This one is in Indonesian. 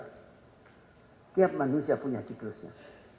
setiap manusia punya ciklusnya